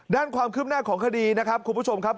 ด้านความครึ่มหน้าของคดีคุณผู้ชมครับ